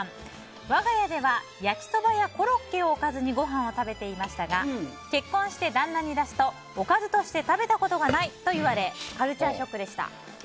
我が家では焼きそばやコロッケをおかずにごはんを食べていましたが結婚して旦那に出すとおかずとして食べたことがないといわれカルチャーショックでした。